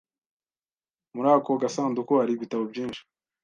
Muri ako gasanduku hari ibitabo byinshi.